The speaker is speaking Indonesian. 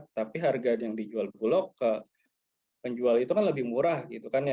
tapi harga yang dijual bulog ke penjual itu kan lebih murah gitu kan ya